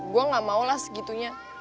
gue gak mau lah segitunya